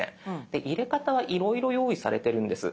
で入れ方はいろいろ用意されてるんです。